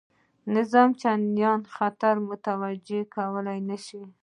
نظام ته چنداني خطر متوجه کولای نه شي.